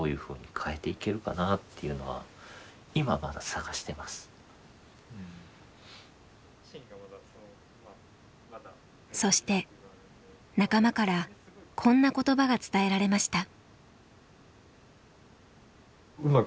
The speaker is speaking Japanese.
そうですねそして仲間からこんな言葉が伝えられました。